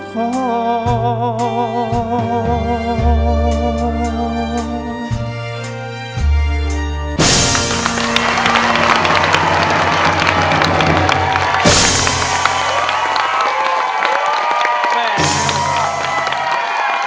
โอเคเลย